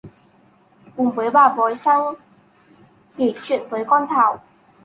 cùng với bà bói sang kể chuyện với con thảo